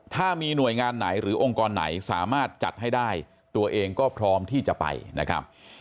ถ้ามีหน่วยงานไหนหรือองค์กรไหนสามารถจัดให้ได้ตัวเองก็พร้อมที่จะไปนะครับ